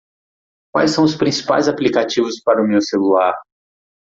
Quais são os principais aplicativos para o meu celular?